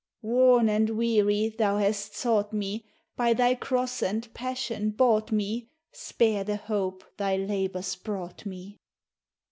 Worn and weary, thou hast sought me; By thy cross and passion bought me Spare the hope thy labors brought me!